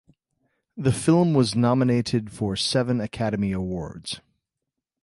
The film was nominated for seven Academy Awards.